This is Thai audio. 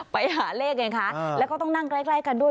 ไปหาเลขไงคะแล้วก็ต้องนั่งใกล้กันด้วย